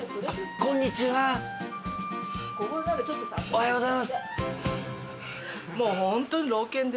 おはようございます。